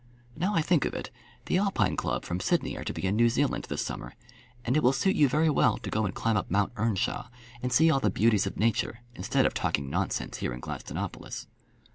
Now I think of it, the Alpine Club from Sydney are to be in New Zealand this summer, and it will suit you very well to go and climb up Mount Earnshawe and see all the beauties of nature instead of talking nonsense here in Gladstonopolis."